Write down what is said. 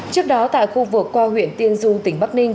trước đó tại khu vực qua huyện tiên du tỉnh bắc ninh